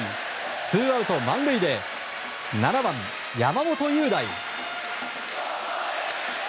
ツーアウト満塁で７番、山本祐大。